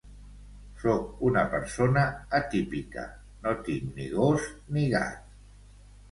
Sóc una persona atípica, no tinc ni gos ni gat